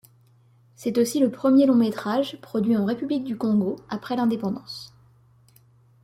C'est aussi le premier long métrage produit en République du Congo après l'indépendance.